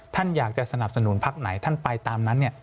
ท่านอยากจะสนับสนุนพักไหนท่านไปตามนั้น